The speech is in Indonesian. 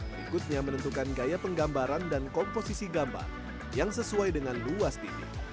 berikutnya menentukan gaya penggambaran dan komposisi gambar yang sesuai dengan luas dikit